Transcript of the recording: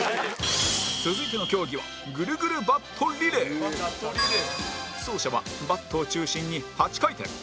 続いての競技は走者はバットを中心に８回転